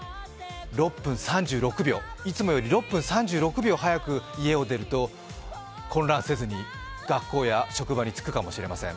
６分３６秒、いつもより６分３６秒早く家を出ると、混乱せずに学校や職場に着くかもしれません。